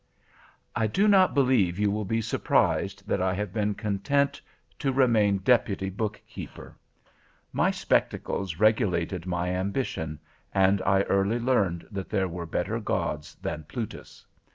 "I do not believe you will be surprised that I have been content to remain deputy bookkeeper. My spectacles regulated my ambition, and I early learned that there were better gods than Plutus.